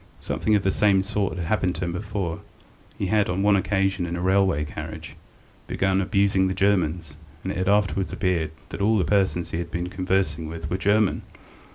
Something of the same sort had happened to him before; he had, on one occasion in a railway carriage, begun abusing the Germans, and it had afterwards appeared that all the persons he had been conversing with were German.